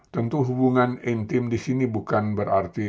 tentu hubungan intim disini bukan berarti